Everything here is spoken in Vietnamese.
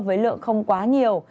với lượng không quá nhiều